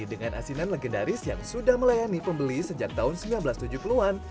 dengan asinan legendaris yang sudah melayani pembeli sejak tahun seribu sembilan ratus tujuh puluh an